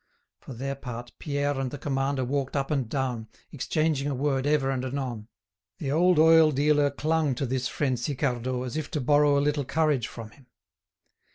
For their part Pierre and the commander walked up and down, exchanging a word ever and anon. The old oil dealer clung to this friend Sicardot as if to borrow a little courage from him.